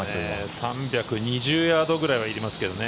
３２０ヤードぐらいはいりますけどね。